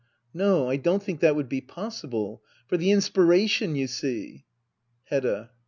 No, I don't think that would be possibla For the inspiration, you see Hedda.